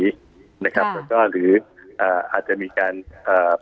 หรืออาจจะมีการเป็นอันตรายต่อเจ้าหน้าทีนะครับ